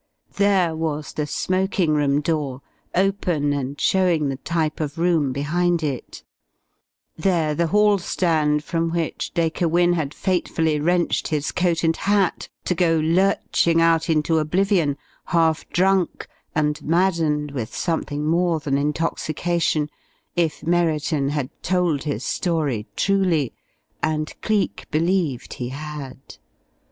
There was the smoking room door, open and showing the type of room behind it; there the hall stand from which Dacre Wynne had fatefully wrenched his coat and hat, to go lurching out into oblivion, half drunk and maddened with something more than intoxication if Merriton had told his story truly, and Cleek believed he had.